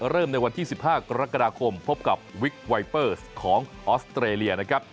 เริ่มในวันที่๑๕กรกฎาคมพบกับวิกไวเปอร์สของออสเตรเลียนะครับ